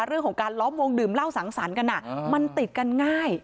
เรื่องของการล้อมวงดื่มเหล้าสังสรรค์กันมันติดกันง่าย